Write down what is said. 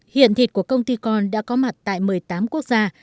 hiện thịt của công ty con đã có mặt tại một mươi tám quốc gia